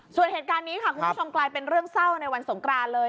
ส่วนเหตุการณ์นี้ค่ะคุณผู้ชมกลายเป็นเรื่องเศร้าในวันสงกรานเลย